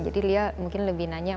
jadi dia mungkin lebih nanya